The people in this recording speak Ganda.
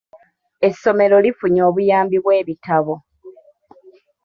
Essomero lifunye obuyambi bw'ebitabo.